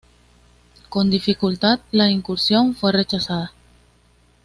Con dificultad, la incursión fue rechazada.